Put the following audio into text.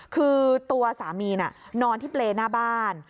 คือตัวสามีน่ะนอนที่เปรย์หน้าบ้าน